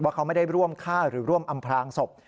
เขาไม่ได้ร่วมฆ่าหรือร่วมอำพลางศพ